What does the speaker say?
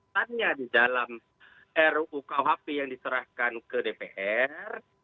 hanya di dalam ruu kuhp yang diserahkan ke dpr